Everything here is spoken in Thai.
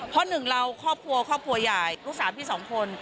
เพราะหนึ่งเราครอบครัวครอบครัวใหญ่ลูกสาวพี่สองคน